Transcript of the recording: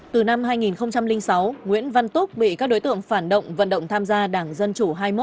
từ năm hai nghìn sáu nguyễn văn túc bị các đối tượng phản động vận động tham gia đảng dân chủ hai mươi một